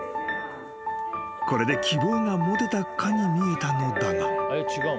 ［これで希望が持てたかに見えたのだが］